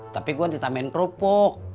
tapi gue nanti tambahin kerupuk